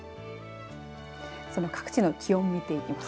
その各地の気温を見ていきます。